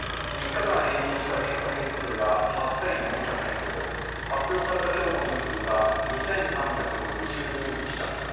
３日間平均した検査件数が８４００件ほど、発表された今日の人数が２３６２人でした。